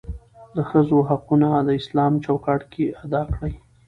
دښځو حقونه داسلام چوکاټ کې ادا کړى.